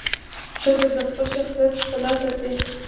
ښځه د خپل شخصیت ښکلا ساتي.